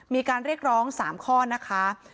มีการเรียกร้อง๓ข้อนะคะ